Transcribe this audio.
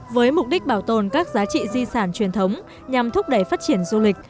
với mục đích bảo tồn các giá trị di sản truyền thống nhằm thúc đẩy phát triển du lịch